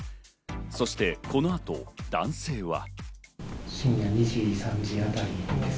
そしてこの後、男性は。